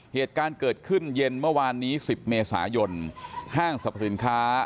เหตุการณ์เกิดขึ้นเย็นเมื่อวานนี้๑๐เมษายนห้างสรรพสินค้า